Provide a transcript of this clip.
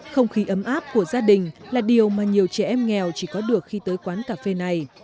không khí ấm áp của gia đình là điều mà nhiều trẻ em nghèo chỉ có được khi tới quán cà phê này